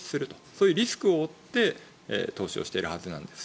そういうリスクを負って投資をしているはずなんです。